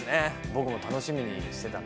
僕も楽しみにしてたので。